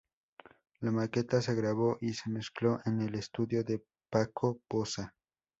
La maqueta se grabó y se mezcló en el estudio de Paco Poza.